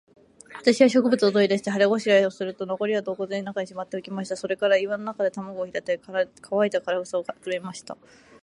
私は食物を取り出して、腹ごしらえをすると、残りは洞穴の中にしまっておきました。それから岩の上で卵を拾ったり、乾いた枯草を集めました。